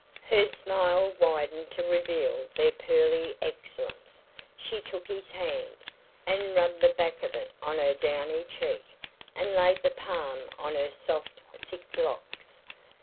Her smile widened to reveal their pearly excellence. She took his hand, and rubbed the back of it on her downy cheek, and laid the palm on her soft, thick locks.